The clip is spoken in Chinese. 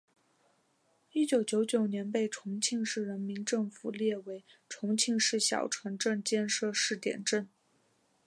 一九九九年被重庆市人民政府列为重庆市小城镇建设试点镇。